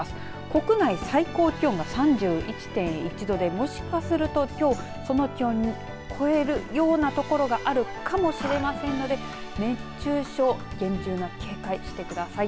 国内最高気温が４１．１度で、もしかするときょう、その気温を超えるような所があるかもしれませんので熱中症厳重な警戒してください。